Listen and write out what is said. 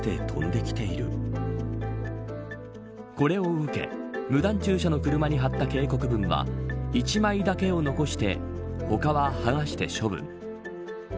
これを受け無断駐車の車に貼った警告文は１枚だけを残して他は剥がして処分。